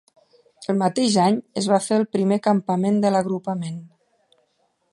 El mateix any es va fer el primer campament de l'agrupament.